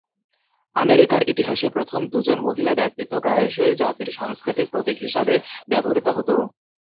আমেরিকার ইতিহাসে প্রথম দুজন মহিলা ব্যক্তিত্ব প্রায়শই জাতির সাংস্কৃতিক প্রতীক হিসাবে ব্যবহৃত হত।